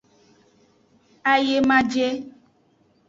Ayemaje.